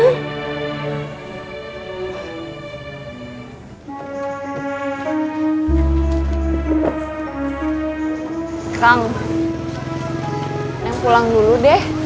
kang neng pulang dulu deh